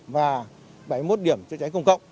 và bảy mươi một điểm chữa cháy công cộng